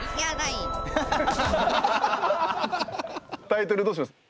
タイトルどうします？